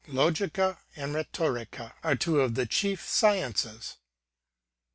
'Logica and rhetor tea are two of the chief sciences.